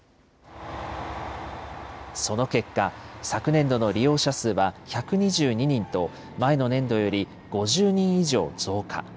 その結果、昨年度の利用者数は１２２人と、前の年度より５０人以上増加。